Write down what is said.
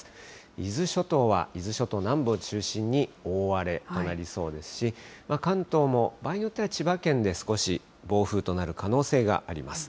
伊豆諸島は、伊豆諸島南部を中心に大荒れとなりそうですし、関東も場合によっては、千葉県で少し暴風となる可能性があります。